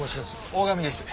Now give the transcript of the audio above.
大上です。